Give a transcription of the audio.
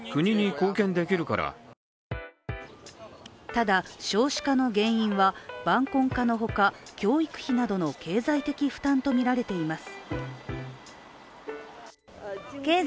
ただ、少子化の原因は晩婚化のほか教育費などの経済的負担とみられています。